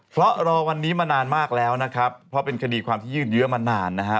เพราะรอวันนี้มานานมากแล้วนะครับเพราะเป็นคดีความที่ยืดเยอะมานานนะฮะ